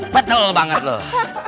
betul banget loh